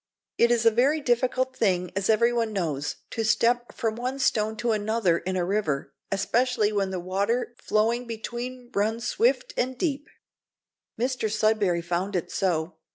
It is a very difficult thing, as everyone knows, to step from one stone to another in a river, especially when the water flowing between runs swift and deep. Mr Sudberry found it so.